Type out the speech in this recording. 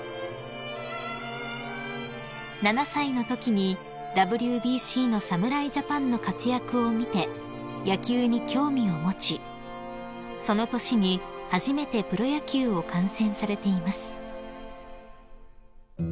［７歳のときにＷＢＣの侍ジャパンの活躍を見て野球に興味を持ちその年に初めてプロ野球を観戦されています］